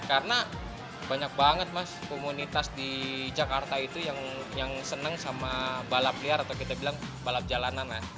karena banyak banget mas komunitas di jakarta itu yang seneng sama balap liar atau kita bilang balap jalanan lah